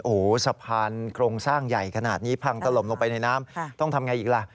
โอ้โหสะพานโครงสร้างใหญ่ขนาดนี้พังถล่มลงไปในน้ำต้องทำไงอีกล่ะ